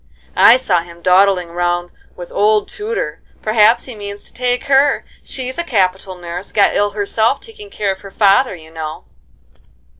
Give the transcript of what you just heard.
"I saw him dawdling round with old Tudor, perhaps he means to take her: she's a capital nurse, got ill herself taking care of her father, you know."